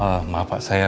yg lain makannya